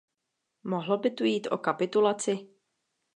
Mohlo by tu jít o kapitulaci?